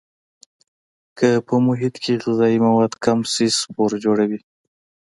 که په محیط کې غذایي مواد کم شي سپور جوړوي.